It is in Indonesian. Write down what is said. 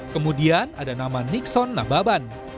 kemudian ada nama nixon nababan